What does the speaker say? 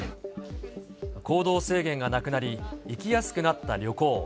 行動制限がなくなり、行きやすくなった旅行。